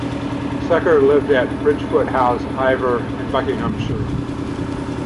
Secker lived at Bridgefoot House, Iver, Buckinghamshire.